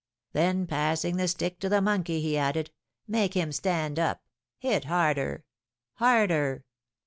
Then passing the stick to the monkey, he added, 'Make him stand up! Hit harder! harder!'